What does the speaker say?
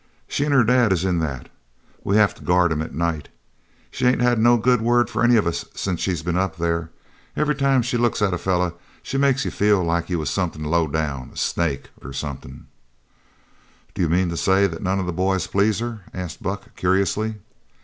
"She an' her dad is in that. We have to guard 'em at night. She ain't had no good word for any of us since she's been up there. Every time she looks at a feller she makes you feel like you was somethin' low down a snake, or somethin'." "D'you mean to say none of the boys please her?" asked Buck curiously.